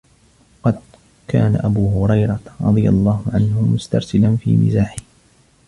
وَقَدْ كَانَ أَبُو هُرَيْرَةَ رَضِيَ اللَّهُ عَنْهُ مُسْتَرْسِلًا فِي مِزَاحِهِ